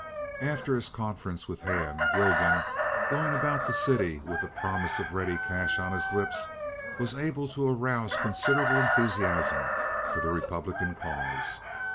After his conference with Hand, Gilgan, going about the city with the promise of ready cash on his lips, was able to arouse considerable enthusiasm for the Republican cause.